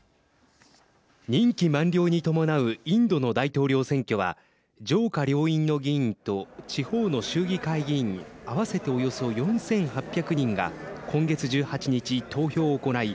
任期満了に伴うインドの大統領選挙は上下両院の議員と地方の州議会議員合わせて、およそ４８００人が今月１８日、投票を行い